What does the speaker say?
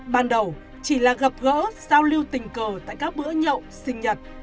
ban đầu chỉ là gặp gỡ giao lưu tình cờ tại các bữa nhậu sinh nhật